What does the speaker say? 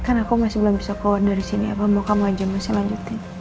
kan aku masih belum bisa keluar dari sini aku mau kamu aja masih lanjutin